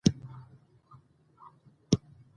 ازادي راډیو د اداري فساد د نړیوالو نهادونو دریځ شریک کړی.